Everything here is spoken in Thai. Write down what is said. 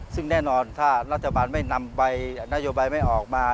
ซึ่งแน่นอนถ้ารัฐบาลไม่นำใบนโยบายไม่ออกมา